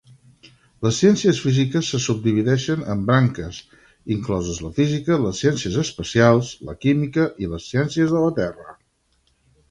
Les ciències físiques se subdivideixen en branques, incloses la física, les ciències espacials, la química i les ciències de la terra.